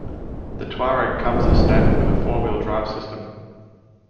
The Touareg comes as standard with a four-wheel drive system.